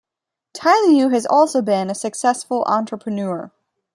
Taillieu has also been a successful entrepreneur.